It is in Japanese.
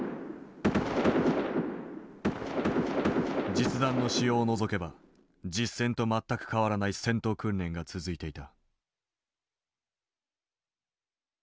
実弾の使用を除けば実戦と全く変わらない戦闘訓練が続いていた。